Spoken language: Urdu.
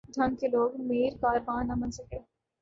ڈھنگ کے لوگ میر کارواں نہ بن سکے۔